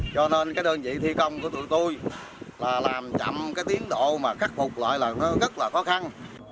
cho nên cái đơn vị thi công của tụi tôi là làm chậm cái tiến độ mà khắc phục lại là nó rất là khó khăn